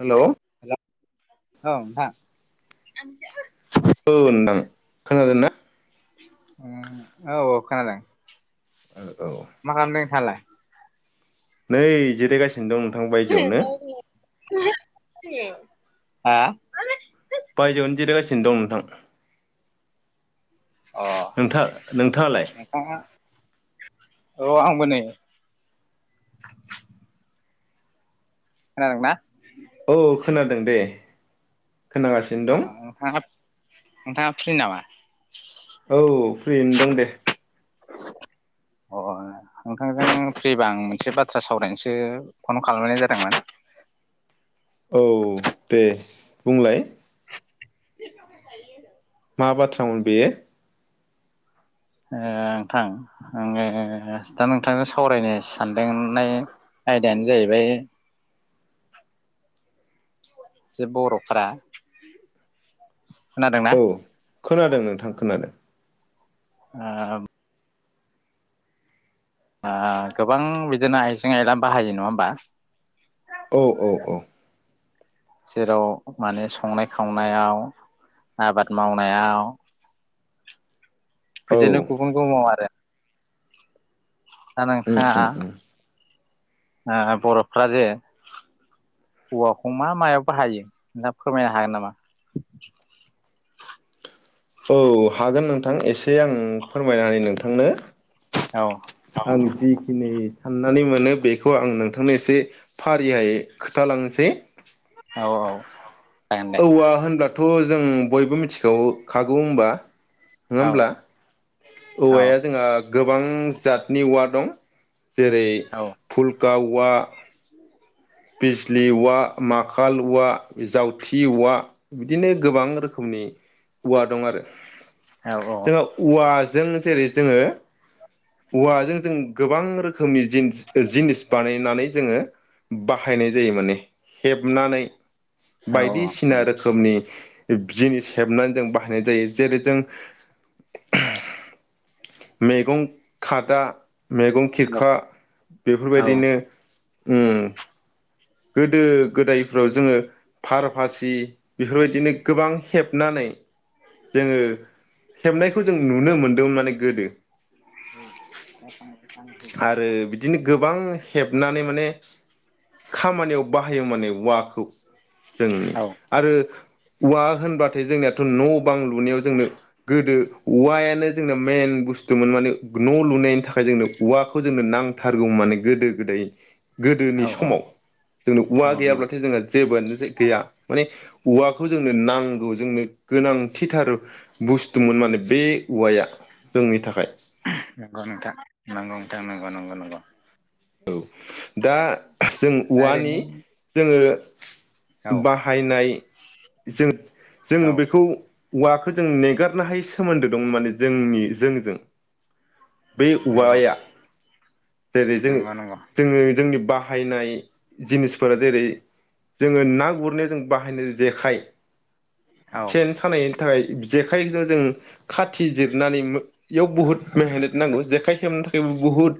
Hello hello औ नोंथां [unintelligible] औ नोंथां खोनादों ना? उम औ खोनादों। औ मा खालामदों नोंथाङालाय? नै जिराय गासि- दं नोंथां बायजोआवनो। हा [unintelligible] बायजोआवनो जिरायगासिनो दं नोंथां। अ नोंथा नोंथाङालाय? नोंथाङा औ आंबो नै खोनादों ना? औ खोनादों दे खोनागासिनो अ दं अ नोंथाङा नोंथाङा फ्रि नामा? औ फ्रियैनो दं दे अ अ नोंथांजों फ्रिबा आं मोनसे बाथ्रा सावरायनोसो फन खालामनाय जादोंमोन। औ दे बुंलाय? [unintelligible] मा बाथ्रामोन बेयो? ओ नोंथां आङो दा नोंथांजों सावरायनो सानदोंनाय आयदायानो जाहैबाय जे बर'फ्रा खोनादोंना? औ खोनादों नोंथां खोनादों। ओ ओ गोबां बिदिनो आइजें आयला बाहायो नङा होमबा? औ अ अ जेराव माने संनाय खावनायाव आबाद मावनायाव औ बिदिनो उम गुबुन गुबुन म आरो दा उम नोंथाङा? उम ओ बर'फ्रा जे औवाखौ मा मायाव बाहायो ना फोरमायनो हागोन नामा? औ हागोन नोंथां एसे आं फोरमायना होनि नोंथांनो। औ आं जिखिनि साननानै मोनो बेखौ आं नोंथांनो एसे फारिहाय खोथालांनोसै। औ औ जागोन दे औवा होनब्लाथ' जों बयबो मिथिखागौ खागौ होनबा नङा औ होमब्ला? औ औवाया जोंहा गोबां जातनि औवा वा दं। जेरै औ फुल खा औवा बिजलि औवा माखाल औवा जावथि औवा बिदिनो गोबां रोखोमनि औवा दं आरो औ औ नंगौ औ जोंहा औवा जों जेरै जोङो औवाजों जों गोबां रोखोमनि जि जिनिस बानायनानै जोङो बाहायनाय जायो माने हेबनानै औ औ बायदिसिना रोखोमनि जिनिस हेबनानै जों बाहायनाय जायो जेरै जों मेगं खादा मेगं खिरखा औ बेफोरबायदिनो उम गोदो गोदायफ्राव जोङो फार फासि बेफोरबायदिनो गोबां हेबनानै जोङो हेबनायखौ जों नुनो मोनदों माने गोदो। आरो बिदिनो [unintelligible] गोबां हेबनानै माने खामानियाव बाहायो माने वाखौ जोंनि आरो औवा होनबाथाय जोंनियाथ' न' बां लुनायाव जोंनो गोदो औवायानो जोंना मेन बुस्थुमोन माने न' लुनायनि थाखाय जोंनो औवाखौ जोंनो नांथारगौ माने गोदो गोदायो। गोदोनि समाव नंगौ जोंनो औवा गैब्लाथाय जोङो जेबोआनो गैया माने औवाखौ जोंनो नांगौ जोंनो गोनांथिथार बुस्थुमोन माने बे औवाया जोंनि थाखाय। नंगौ नोंथां नंगौ नोंथां नंगौं नंगौ नंगौ औ दा जों दा औवानि ओरैनो जोङो औ बाहायनाय जों जोङो बेखौ औवाखो जों नेगारनो हायै सोमोन्दो दं माने जोंनि जोंजों बे नंगौ औवाया जेरै जों नंगौ नंगौ जोङो जोंनि बाहायनाय जिनिसफोरा जेरै जोङो ना गुरनायाव जों बाहायनाय जेखाइ औ सेन सानायनि थाखाय जेखाइजों जों खाथि जिरनानै मो इयाव बुहुत मेहेनत नांगौ जेखाइ हेबनो था थेवबो बुहुद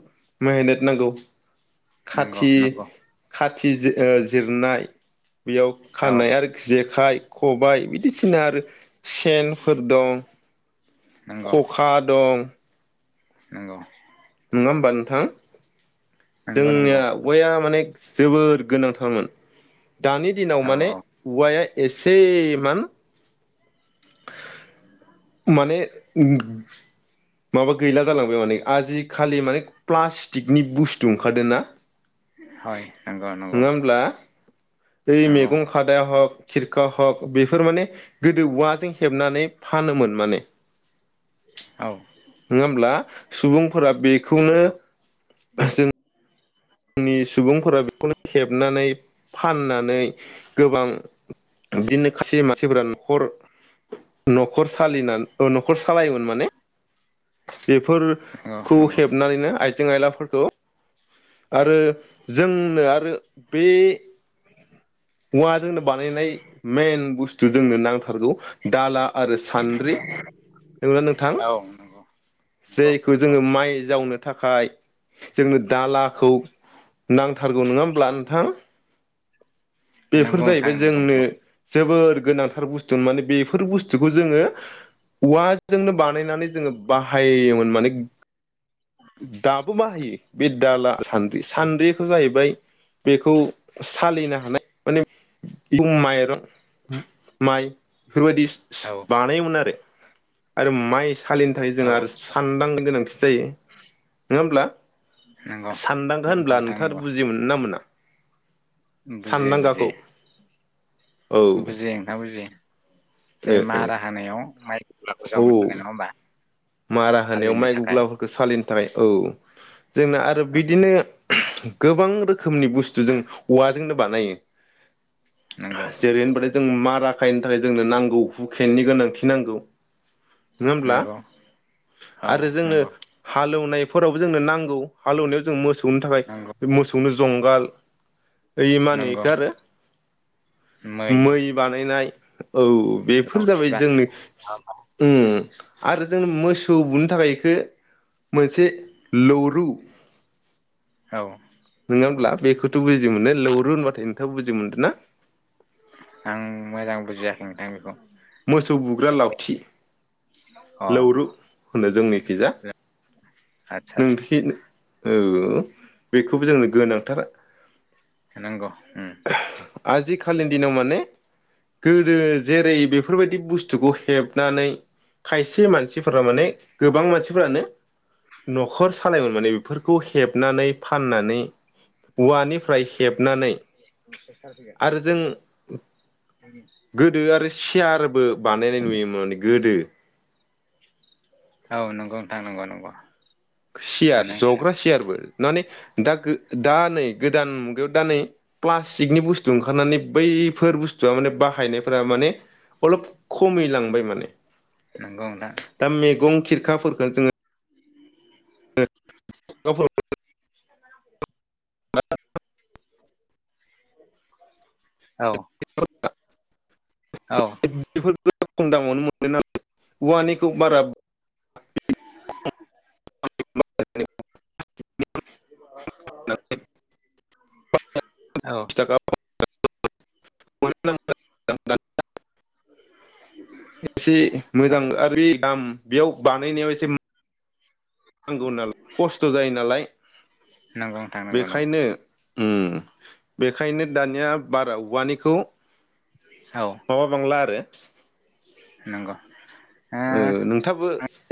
मेहेनोत नांगौ। नंगौ खाथि नंगौ खाथि जि ओ जिरनाय [inaudible] बेयाव औ खानाय आरो जे खाइ खबाइ बिदिसिना आरो सेनफोर दं, खखा दं। नंग'। नङा होमबा नोंथां? नंगौ नंगौ जोंनिया बया माने जोबोर गोनांथारमोन। दानि दिनाव औ माने औ औवाया एसे मान माने ओ माबा गैला जालांबाय माने आजिखालि माने प्लास्टिकनि बुस्थु ओंखारदों ना हय नंगौ नंगौ नङा होमब्ला? ओइ नंगौ मैगं खादाया हक खिरखा हक बेफोर माने गोदो औवाजों हेबनानै फानोमोन। माने औ नङा होमब्ला? सुबुंफोरा बे खौनो नंगौ जों नि सु बुंफोरा बेखौनो हेबनानै फाननानै गोबां बिदिनो खायसे मानसिफोरा न'खर न'खर सालिनानै न'खर सालायोमोन माने। बेफोरखौ नंगौ नंगौ हेबनानैनो आइ जें आइलाफोरखौ आरो जोंनो आरो बे हुवा जोंनो बानायनाय मेन बुस्थु जोंनो नांथारगौ। दाला आरो सान्द्रि नंगौना नोंथां औ नंगौ जायखौ नंगौ नंगौ जोङो माइ जावनो थाखाय जोंनो दालाखौ नांथारगौ नोङा होमब्ला नोंथां? बेफोर नंगौ नोंथां जाहैबाय नंगौ जोंनो नंगौ जोबोर गोनांथार बुस्थु माने बेफोर बुस्थुखौ जोङो औवाजोंनो बानायनानै जोङो बाहायोमोन माने। दाबो बाहायो बे दाला सान्द्रि सान्द्रिखौ जाहैबाय बेखौ सालिनो हानाय माने माइरं माइ बेफोरबायदि औ बानायोमोन आरो आरो माइस सालिनि थाखाय औ जोङो आरो सानदां गोनां [unintelligible] नोङा होमब्ला नंगौ सानदांगा नंगौ होनब्ला नोंथां नोंथाङा नंगौ बुजि मोनो ना मोना? बुजियो सानदांगाखौ बुजियो औ बुजियो नोंथां बुजियो। जेरै मारा ओ होनायाव माइ गुग्लाखौ जावनो औ थाखाय नङा होमबा? मारा होनायाव हालिनो माइ थाखाय गुग्लाफोरखौ सालि नि थाखाय औ जोंना आरो औ बिदिनो गोबां रोखोमनि बुस्तु जों औवाजोंनो बानायो। नंगौ जेरै होनबाथाय जों मारा खायनो थाखाय जोंनो नांगौ हुखेनि गोनांथि नांगौ नोङा होमब्ला? नंगौ औ आरो जोनो नंगौ हालौवनाय फोरावबो जोंनो नांगौ हालौनायाव जों मोसौ दुमनो थाखाय नंगौ बे मोसौनो जंगाल ओइ मा होनो नंगौ इखौ आरो मै बानायनाय औ बेफोर लावथि जाबाय जोंनि बानाय उम आरो जों मो सौ बुनो थाखाय इखौ मोनसे लौरु औ नोङा होमब्ला बेखौथ' बु मोननो लौरु होनबाथाय नोंथाङा बुजि मोनदों ना आं मोजां बुजियाखै नोंथां बेखौ मोसौ बुग्रा लावथि अ लौरु होनो जोंनि खिजा आदसा आदसा नोंनिखि औ बेखौबो जोंनो गोनांथार नांगौ आथिखालिनि दिनाव माने गोदो जेरै बेफोरबायदि बुस्थुखौ हेबनानै खायसे मानसिफोरा माने गोबां मानसिफोरानो न'खर सालायोमोन माने बेफोरखौ हेबनानै फाननानै औवानिफ्राय हेबनानै आरो जों [unintelligible] गोदो आरो सियारबो बानायनाय नुयोमोन गोदो औ नंगौ नथां नंगौ नंगौ सियार सानो जग्रा सियारबो माने दा दा नै गोदान मुगायाव दा नै प्लास्टिकनि बुस्थु ओंखारनानै बैफोर बुस्थुआ माने बाहायनायफोरा माने अलप खमै लांबाय माने नगौ नोंथां दा मैगं खिरखाफोरखौ जोङो औ [unintelligible] औ [unintelligible] औ बेफोरखौ खम दामावनो मोनो नालाय औवानिखौ बारा [unintelligible] [unintelligible] औ [unintelligible] एसे औ मोजां आरो बे दाम बेयाव बानायनायाव एसे नांगौ नालाय खस्थ' जायो नालाय नंगौ नथां नगौ नंगौ बेखायनो बेखायनो दानिया बारा औवानिखौ औ माबा बांला आरो नंगौ नोंथाङाबो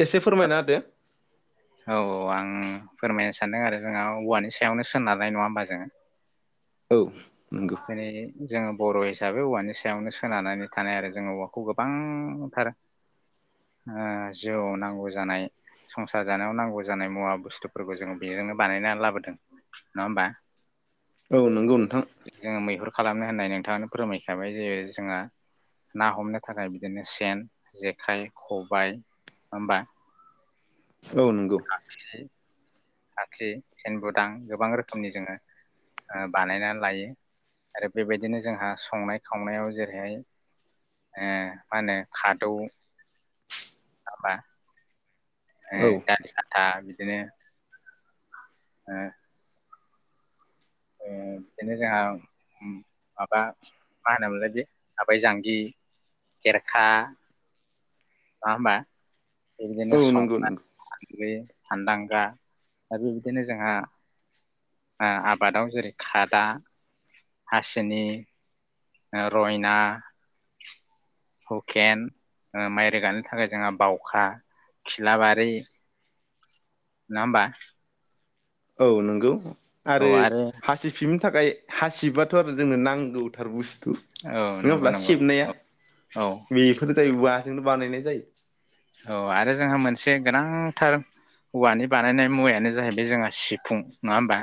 एसे फोरमायना होदो औ आं फोरमायनो सानदों आरो जोंहा औवानि सायावनो सोनारनाय नङा होमबा जोङो औ नंगौ माने जोङो बर' हिसाबै औवानि सायावनो सोनारनानै थानाय आरो जोंङ औवाखौ गोबांथार जिउआव नांगौ जानाय संसार जानायाव नांगौ जानाय मुवा बुस्थुफोरखौ जोङो बेजोंनो बानायनानै लाबोदों नङा होमबा औ नंगौ नोंथां। जोङो मैहुर खालामनो होननाय नोंथाङानो फोरमायखाबाय जे जोंहा ना हमनो थाखाय बिदिनो सेन जेखाइ खबाइ नङा होमबा औ नंगौ औ खाखि सेनबुदां गोबां रोखोमनि जोङो बानायना लायो आरो बेबायदिनो जोंहा संनाय खावनायाव जेरैहाय मा होनो खादौ माबा ओ औ दालि खाथा बिदि बिदिनो जोंहा माबा मा होनोमोनलाय बे आबाय जांगि खेरखा नङा होमबा। औ बेदिनो नंगौ संग्रा नंगौ सान्दागा आरो बेबायदिनो जोंहा ओ आबादाव जेरै खादा, हासिनि ओ रयना, हुकेन माइ रोगानो थाखाय जोंहा बावखा, खिलाबारि नङा होमबा औ नंगौ आरो हासि फिमि नि थाखाय हासिबाथ' आरो जोङो नांगौथार बुस्थु औ नंगौ नङाब्ला नंगौ सेबनाया औ औ बेफोर जायो उवाजोंनो बानायनाय जायो औ आरो जोंहा मोनसे गोनांथार औवानि बानायनाय मुवायानो जाहैबाय जोंहा सिफुं नङा होमबा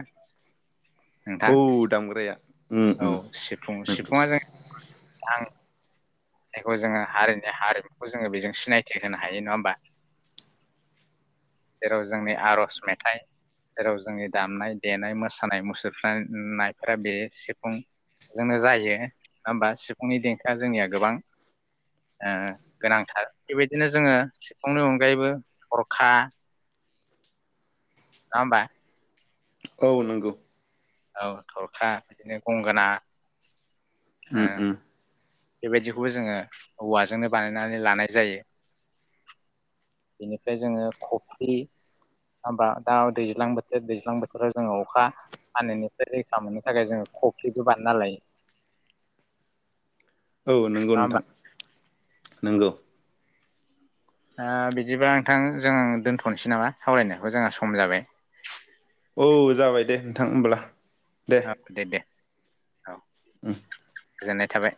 नोंथां औ दामग्राया उम औ उम सिफुं नंगौ सिफुङा जों आं जायखौ जोङो हारिनि हारिमुखौ जोङो बेजों सिनायथि होनो हायो नङा होमबा जेराव जोंनि आर'ज मेथाइ जेराव जोंनि दामनाय देनाय मोसानाय मुसुरनायफोरा बे सिफुंजोंनो जायो नङा होमबा सिफुंनि देंखोआ जोंनिया गोबां ओ गोनांथार बेबायदिनो जोङो सिफुंनि अनगायैबो हरखा नङा होमबा औ नंगौ औ थरखा बिदिनो गंगोना उम ओ उम बेबायदिखौबो जोङो औवाजोंनो बानायनानै लानाय जायो बेनिफ्राय जोङो कफ्रि हबा दा दैज्लां बोथोर दैज्लां बोथोराव जोङो अखा फाननायनिफ्राय रैखा मोननो थाखाय जोङो कफ्रिबो बानायना लायो औ नंगौ नङा होमबा नोंथां। नोंगौ ओ बिदिबा नोंथां जों दोन्थ'नोसै नामा सावरायनायखौ जोंहा सम जाबाय औ जाबाय दे नोंथां होमब्ला औ दे दे औ उम गोजोननाय थाबाय